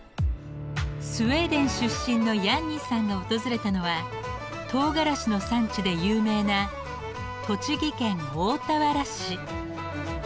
スウェーデン出身のヤンニさんが訪れたのはとうがらしの産地で有名な栃木県大田原市。